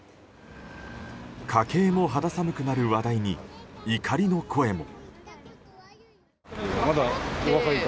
家計も肌寒くなる話題に怒りの声も。